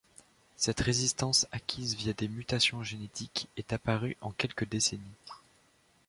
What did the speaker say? Cette résistance, acquise via des mutations génétiques, est apparue en quelques décennies.